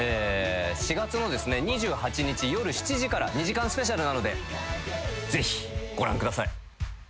４月のですね２８日夜７時から２時間スペシャルなのでぜひご覧ください。